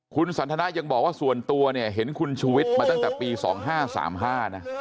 คุณสันทนายังบอกว่าส่วนตัวเนี่ยเห็นคุณชูวิทย์มาตั้งแต่ปี๒๕๓๕นะ